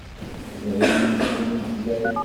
Dayen, ifukk umeslay.